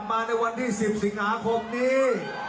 เขาจะกลับมาในวันที่๑๐สิงหาคมนี้